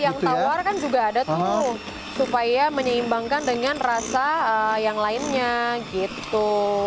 yang tawar kan juga ada tuh supaya menyeimbangkan dengan rasa yang lainnya gitu